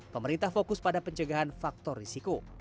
pemerintah fokus pada pencegahan faktor risiko